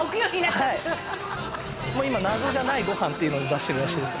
はいもう今「謎じゃないご飯」っていうので出してるらしいです